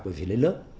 rồi phải lên lớp